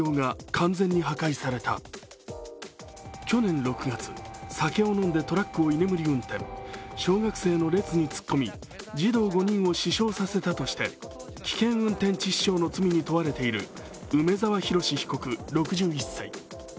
去年６月、酒を飲んでトラックを居眠り運転、小学生の列に突っ込み、児童５人を死傷させたとして危険運転致死傷の罪に問われている梅沢洋被告６１歳。